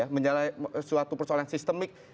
menjawab suatu persoalan sistemik